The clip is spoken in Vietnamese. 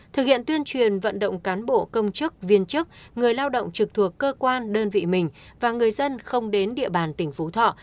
thực hiện tuyên truyền vận động cán bộ công chức viên chức người lao động trực thuộc cơ quan đơn vị mình và người dân không đến địa bàn tỉnh phú thọ